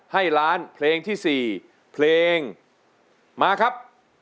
ให้ล้านเพลงที่๔เพลงมาครับ